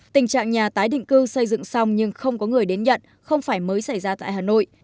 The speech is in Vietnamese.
tình trạng nhà tái định cư xây dựng xong nhưng không có người đến nhận không phải mới xảy ra tại hà nội